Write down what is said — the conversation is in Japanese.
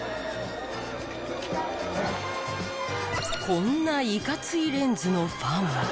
こんないかついレンズのファンも。